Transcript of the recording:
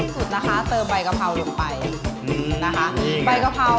สุดนะคะเติมใบกะเพราลงไป